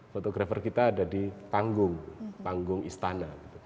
fotografer kita ada di panggung istana